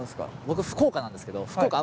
僕福岡なんですけど福岡